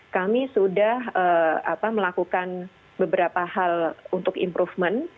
kami sudah melakukan beberapa hal untuk improvement